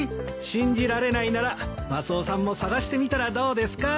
信じられないならマスオさんも探してみたらどうですか？